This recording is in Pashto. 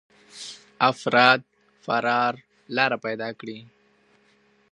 افراد فرار لاره پيدا کړي.